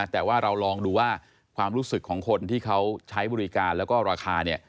แต่ว่าเราลองดูว่าความรู้สึกของคนที่เขาใช้บริการแล้วก็ราคาเนี่ย